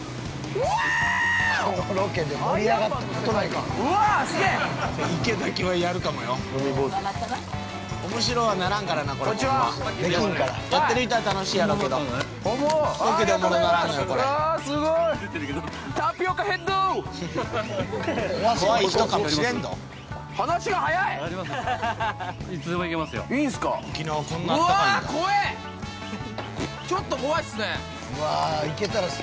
うわぁ怖ぇちょっと怖いっすね